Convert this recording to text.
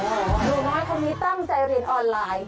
โอ้ดูมาว่าเขามีตั้งใจเรียนออนไลน์